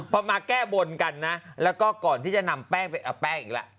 พอมาแก้บนกันนะแล้วก็ก่อนที่จะนำแป้งไปเอาแป้งอีกแล้ว